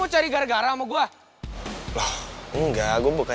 eh engga engga engga